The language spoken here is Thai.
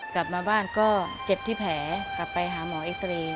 กลับมาบ้านก็เจ็บที่แผลกลับไปหาหมอเอ็กซาเรย์